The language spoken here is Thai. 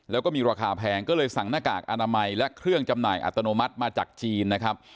แล้วก็มีราคาแพงก็เลยสั่งหน้ากากอนามัยและเครื่องจำหน่ายอัตโนมัติมาจากจีนนะครับ